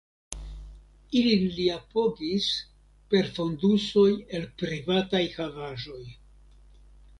Ilin li apogis per fondusoj el privataj havaĵoj.